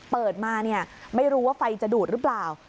เปิดมาเนี่ยไม่รู้ว่าไฟจะดูดหรือเปล่า